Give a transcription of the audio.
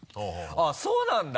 あぁそうなんだ。